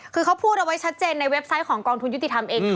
คือเขาพูดเอาไว้ชัดเจนในเว็บไซต์ของกองทุนยุติธรรมเอง